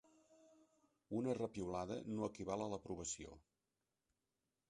Una re-piulada no equival a l'aprovació.